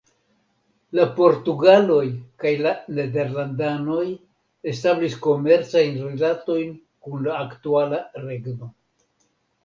La portugaloj kaj la nederlandanoj establis komercajn rilatojn kun la aktuala regno.